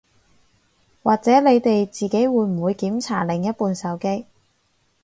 或者你哋自己會唔會檢查另一半手機